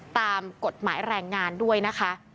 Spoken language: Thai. ตามกฎหมายแรงงานด้วยนะคะ